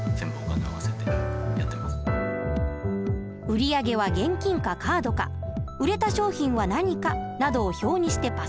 売り上げは現金かカードか売れた商品は何かなどを表にしてパソコンに入力。